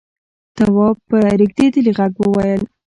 تواب په رېږديدلي غږ وويل: